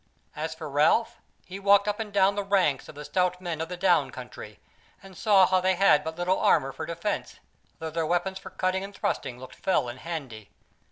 As for Ralph, he walked up and down the ranks of the stout men of the Down country, and saw how they had but little armour for defence, though their weapons for cutting and thrusting looked fell and handy.